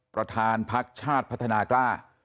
ประธานพักชาติพัฒนากล้า